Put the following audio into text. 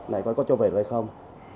này coi có cho về rồi không